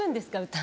歌。